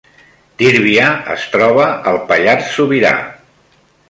Tírvia es troba al Pallars Sobirà